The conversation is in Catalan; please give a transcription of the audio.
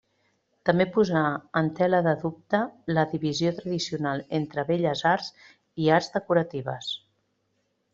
També posà en tela de dubte la divisió tradicional entre belles arts i arts decoratives.